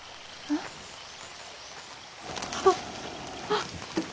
あっあっ。